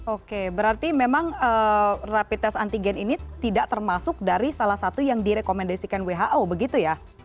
oke berarti memang rapid test antigen ini tidak termasuk dari salah satu yang direkomendasikan who begitu ya